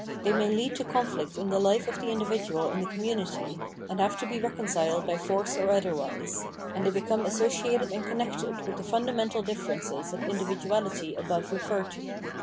They may lead to conflict in the life of the individual in the community, and have to be reconciled by force or otherwise ; and they become associated and connected with the fundamental differences of individuality above referred to.